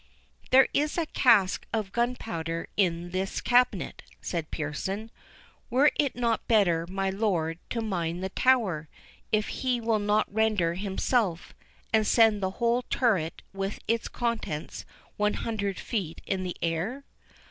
"There is a cask of gunpowder in this cabinet," said Pearson; "were it not better, my lord, to mine the tower, if he will not render himself, and send the whole turret with its contents one hundred feet in the air?"